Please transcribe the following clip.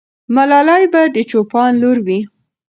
ملالۍ به د چوپان لور وي.